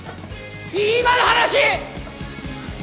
い今の話！